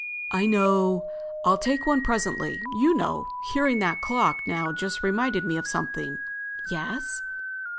"I know. I'll take one presently. You know—hearing that clock just now reminded me of something." "Yes?"